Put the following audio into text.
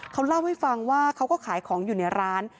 เขาเล่าให้ฟังว่าเขาก็ขายของอยู่ในร้าน